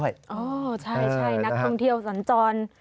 ใช่นักท่องเที่ยวสัญจร